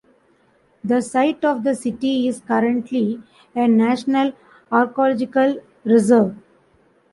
The site of the city is currently a National Archaeological Reserve.